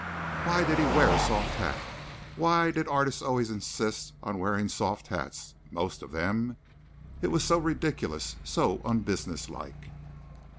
Why did he wear a soft hat? Why did artists always insist on wearing soft hats, most of them? It was so ridiculous, so unbusinesslike.